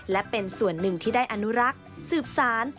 และเป็นส่วนหนึ่งที่ได้อนุรักษ์สืบสาร